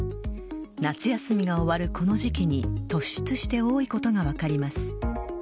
夏休みが終わるこの時期に突出して多いことが分かります。